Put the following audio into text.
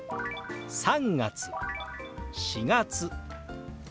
「３月」「４月」。